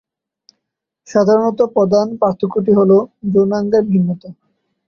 সাধারণত প্রধান পার্থক্যটি হল যৌনাঙ্গের বিভিন্নতা।